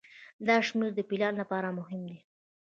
دا شمیرې د پلان لپاره مهمې دي.